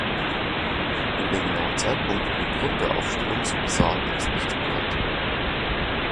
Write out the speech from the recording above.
Über den genauen Zeitpunkt und den Grund der Aufstellung sowie Sagen ist nichts bekannt.